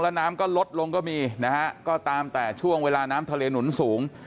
แล้วน้ำก็ลดลงก็มีนะฮะก็ตามแต่ช่วงเวลาน้ำทะเลหนุนสูง